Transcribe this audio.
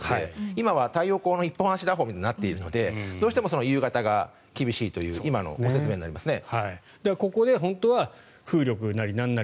今は太陽光の一本足打法みたいになっているのでどうしても夕方が厳しいという今のご説明になりますね。